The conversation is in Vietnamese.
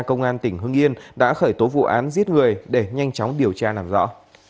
công an tỉnh hưng yên đã khởi tố vụ án giết người để nhanh chóng điều tra làm rõ